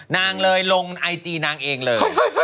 นางเลยลงไอจีนางเองเลย